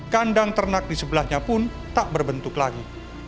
kandang ternak di sebelahnya pun tak berbentuk lagi